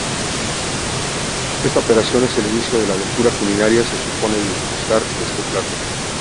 Esta operación es el inicio de la aventura culinaria que supone degustar este plato.